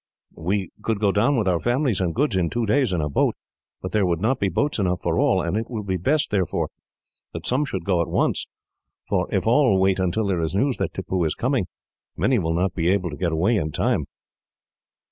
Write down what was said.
We could go down with our families and goods in two days, in a boat; but there would not be boats enough for all, and it will be best, therefore, that some should go at once, for if all wait until there is news that Tippoo is coming, many will not be able to get away in time."